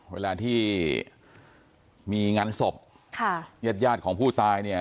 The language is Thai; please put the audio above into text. เวลาที่มีงานศพค่ะญาติยาดของผู้ตายเนี่ย